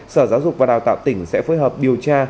sở giáo dục và đào tạo tỉnh sẽ phối hợp điều tra